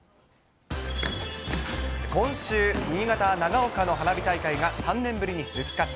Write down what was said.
今週、新潟・長岡の花火大会が３年ぶりに復活。